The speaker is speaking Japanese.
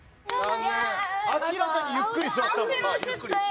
明らかにゆっくり座った。